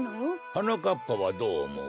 はなかっぱはどうおもう？